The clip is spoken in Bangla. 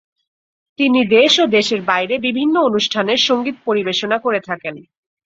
তিনি দেশ ও দেশের বাইরে বিভিন্ন অনুষ্ঠানে সংগীত পরিবেশনা করে থাকেন।